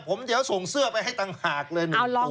ผมเดี๋ยวส่งเสื้อไปให้ต่างหากเลย